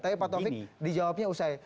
tapi pak taufik dijawabnya usai